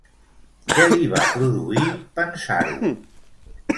Què li va produir pensar-ho?